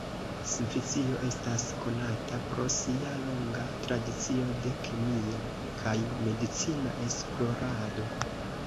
Svisio estas konata pro sia longa tradicio de kemia kaj medicina esplorado.